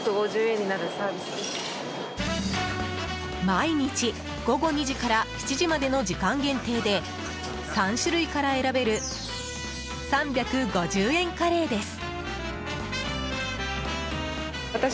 毎日、午後２時から７時までの時間限定で３種類から選べる３５０円カレーです。